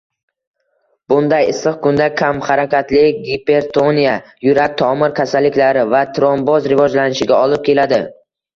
Bunday issiq kunda kamxarakatlik gipertoniya, yurak-tomir kasalliklari va tromboz rivojlanishiga olib keladi